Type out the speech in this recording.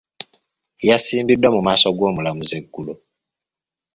Yasimbiddwa mu maaso g’omulamuzi eggulo.